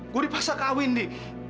gue dipaksa kawin di